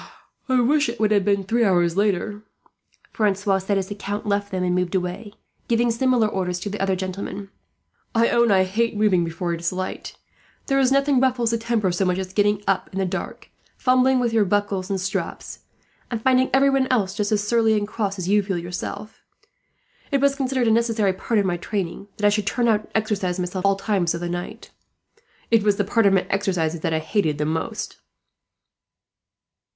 "I would that it had been three hours later," Francois said, as the Count left them and moved away, giving similar orders to the other gentlemen. "I own I hate moving before it is light. There is nothing ruffles the temper so much as getting up in the dark, fumbling with your buckles and straps, and finding everyone else just as surly and cross as you feel yourself. It was considered a necessary part of my training that I should turn out and arm myself at all times of the night. It was the part of my exercises that I hated the most."